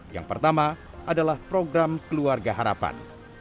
yang pertama adalah program keluarga harapan